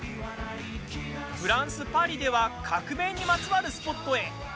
フランス・パリでは革命にまつわるスポットへ。